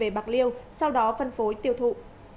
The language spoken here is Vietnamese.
về bạc liêu sau đó phân phối tiêu thụ